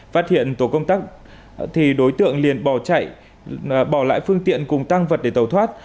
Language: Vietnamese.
phát hiện tổ công tác đối tượng liền bỏ chạy bỏ lại phương tiện cùng tăng vật để tàu thoát